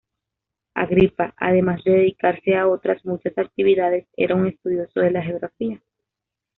Agripa, además de dedicarse a otras muchas actividades, era un estudioso de la geografía.